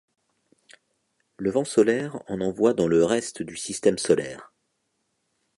Le vent solaire en envoie dans le reste du système solaire.